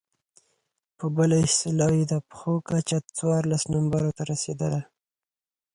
په بله اصطلاح يې د پښو کچه څوارلس نمبرو ته رسېدله.